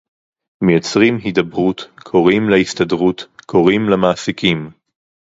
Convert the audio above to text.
מייצרים הידברות, קוראים להסתדרות, קוראים למעסיקים